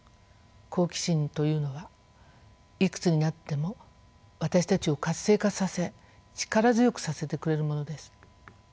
好奇心というのはいくつになっても私たちを活性化させ力強くさせてくれるものです。